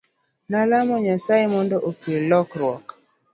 Nolamo Nyasaye mondo okel lokruok.